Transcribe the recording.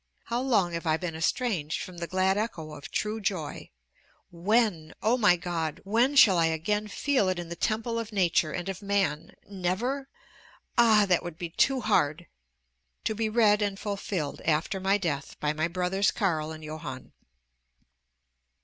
How long have I been estranged from the glad echo of true joy! When! O my God! when shall I again feel it in the temple of nature and of man? never? Ah! that would be too hard! To be read and fulfilled after my death by my brothers Carl and Johann.